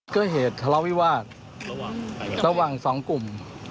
เกิดเหตุทะเลาวิวาสระหว่างสองกลุ่ม